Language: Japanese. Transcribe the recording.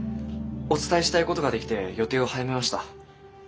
お伝えしたいことが出来て予定を早めました。